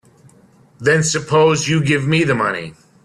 Then suppose you give me the money.